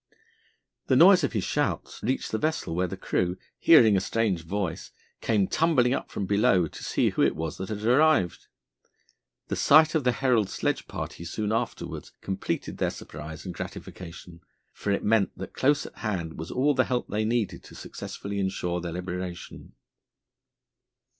The noise of his shouts reached the vessel where the crew, hearing a strange voice, came tumbling up from below to see who it was that had arrived. The sight of the Herald sledge party soon afterwards completed their surprise and gratification, for it meant that close at hand was all the help they needed to successfully insure their liberation.